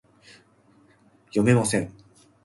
엘레베이터타고싶어요